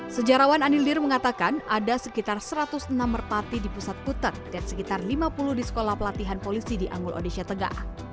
sejarawan anildir mengatakan ada sekitar satu ratus enam merpati di pusat putet dan sekitar lima puluh di sekolah pelatihan polisi di anggul odesya tegak